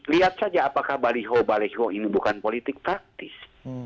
lihat saja apakah baliho baliho ini bukan politik taktis